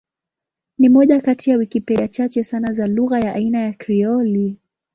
Ni moja kati ya Wikipedia chache sana za lugha ya aina ya Krioli.